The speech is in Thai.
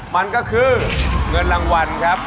มันก็คือเงินรางวัลครับ